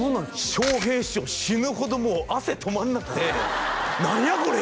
笑瓶師匠死ぬほどもう汗止まんなくて「何や？これ！」